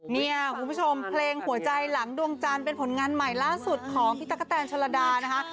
เนี่ยคุณผู้ชมเพลงหัวใจหลังดวงจันทร์เป็นผลงานใหม่ล่าสุดของพี่ตั๊กกะแตนชนระดานะคะ